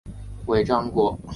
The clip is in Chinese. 尾张国井关城城主。